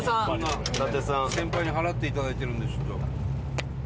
先輩に払っていただいてるんでちょっと。